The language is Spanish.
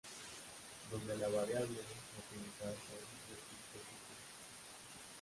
Donde la variable a utilizar son de tipo tupla.